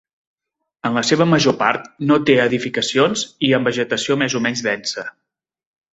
En la seva major part no té edificacions i amb vegetació més o menys densa.